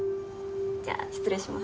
じゃあ失礼します。